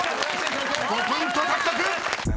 ［５ポイント獲得！］